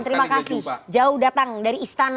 terima kasih jauh datang dari istana